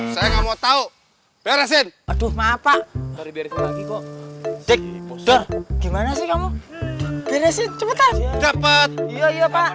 saya nggak mau tahu beresin aduh maaf pak gimana sih kamu beresin cepet dapat iya iya pak